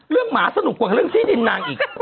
หมาสนุกกว่าเรื่องที่ดินนางอีก